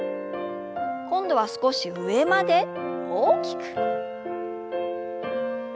今度は少し上まで大きく。